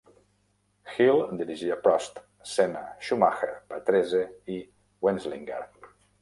Hill dirigia Prost, Senna, Schumacher, Patrese i Wendlinger.